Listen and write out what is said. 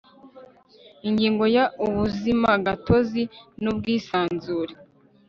Ingingo ya Ubuzimagatozi n ubwisanzure